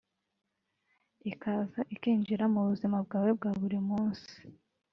ikaza ikinjira mu buzima bwawe bwa buri munsi